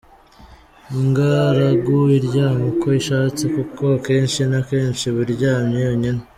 Ingaragu iryama uko ishatse kuko akenshi na kenshi iba iryamye yonyine.